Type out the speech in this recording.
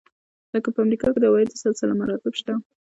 لکه په امریکا کې د عوایدو سلسله مراتب شته.